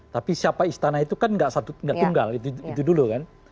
tapi siapa istana itu kan gak satu gak tunggal itu dulu kan